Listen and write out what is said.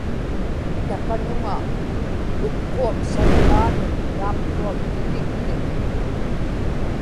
takanuŋa upkuam saniġaanun taapkuak iḷikkik